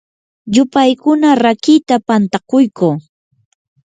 yupaykuna rakiita pantakuyquu.